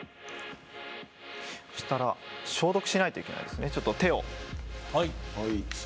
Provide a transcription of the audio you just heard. そうしたら、消毒しないといけないですよね、手を。